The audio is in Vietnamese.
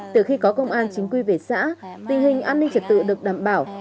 từ khi có công an chính quy về xã tình hình an ninh trật tự được đảm bảo